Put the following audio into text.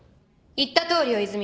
言ったとおりよ泉。